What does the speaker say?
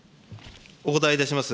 お答えいたします。